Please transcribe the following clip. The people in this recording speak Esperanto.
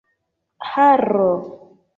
haro